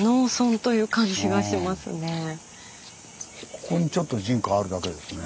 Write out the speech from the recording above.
ここにちょっと人家あるだけですね。